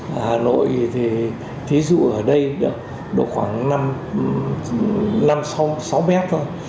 hà nội thì ví dụ ở đây được khoảng năm sáu mét thôi